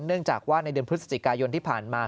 เนื่องจากว่าในเดือนพฤศจิกายนที่ผ่านมา